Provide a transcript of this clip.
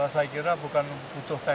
saya kira bukan butuh